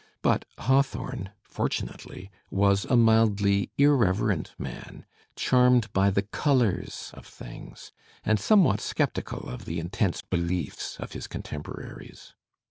But Hawthorne, fortunately, was a mildly irreverent man, charmed by the colours of things, and somewhat sceptical of the intense beliefs of his contemporaries.